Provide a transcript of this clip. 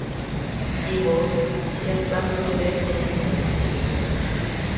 Ha nde katu mombyry asyetéma reime upérõ.